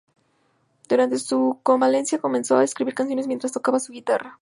Durante su convalecencia comenzó a escribir canciones mientras tocaba su guitarra.